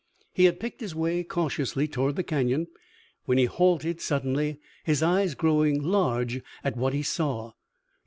He had picked his way cautiously toward the Canyon when he halted suddenly, his eyes growing large at what he saw.